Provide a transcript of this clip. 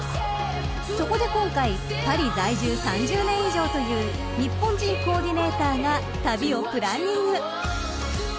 ［そこで今回パリ在住３０年以上という日本人コーディネーターが旅をプランニング］